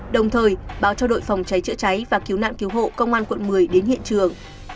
đồng thời báo cho đội phòng cháy chữa cháy và cứu nạn cứu hộ công an quận một mươi đến hiện trường